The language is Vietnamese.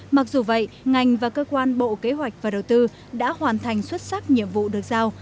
mặc dù vậy ngành và cơ quan bộ kế hoạch và đầu tư đã hoàn thành xuất sắc nhiệm vụ được giao